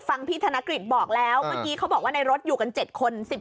พี่ธนกฤษบอกแล้วเมื่อกี้เขาบอกว่าในรถอยู่กัน๗คน